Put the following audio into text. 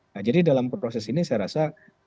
nah jadi dalam proses ini saya rasa